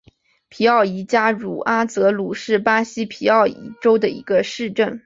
皮奥伊州茹阿泽鲁是巴西皮奥伊州的一个市镇。